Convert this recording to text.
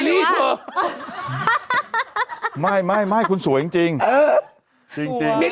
เป็นการกระตุ้นการไหลเวียนของเลือด